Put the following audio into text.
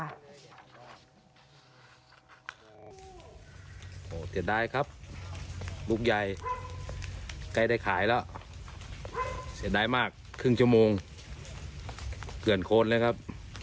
โอ้โหเสียดายครับลูกใหญ่ใกล้ได้ขายแล้วเสียดายมากครึ่งชั่วโมงเกือนโคนเลยครับ